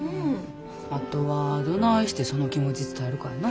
あとはどないしてその気持ち伝えるかやな。